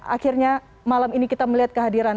akhirnya malam ini kita melihat kehadiran